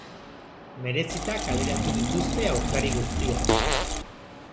Merezita kaleratu dituzte aurkari guztiak.